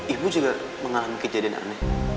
ibu juga mengalami kejadian aneh